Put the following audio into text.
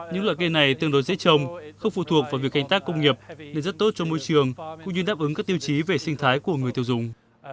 những loại cây này tương đối dễ trồng không phụ thuộc vào việc canh tác công nghiệp nên rất tốt cho môi trường cũng như đáp ứng các tiêu chí về sinh thái của người tiêu dùng